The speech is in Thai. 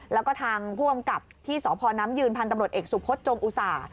แล้วก็ทางผู้กำกับที่สพนยืนพตเอกสุพจงอุสา